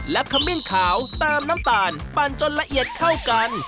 และขมิ้นขาวตามน้ำตาลปั่นจนละเอียดเข้ากัน